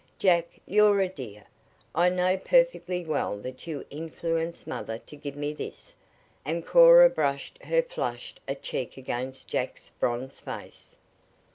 Jack, you're a dear! I know perfectly well that you influenced mother to give me this," and Cora brushed her flushed a cheek against Jack's bronzed face.